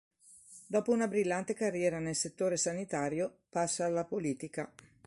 Dopo una brillante carriera nel settore sanitario, passa alla politica.